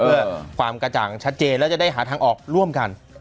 เพื่อความกระจ่างชัดเจนแล้วจะได้หาทางออกร่วมกัน